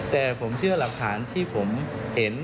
แต่ผมเชื่อหลักฐานที่ผมเห็น